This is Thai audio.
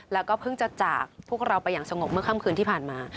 แล้วก็เพิ่งจะจากพวกเราไปอย่างสงบเมื่อค่ำคืนที่ผ่านมา